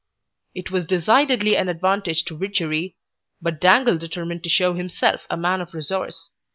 It was decidedly an advantage to Widgery, but Dangle determined to show himself a man of resource.